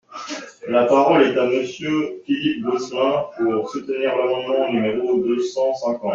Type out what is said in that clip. La parole est à Monsieur Philippe Gosselin, pour soutenir l’amendement numéro deux cent cinquante.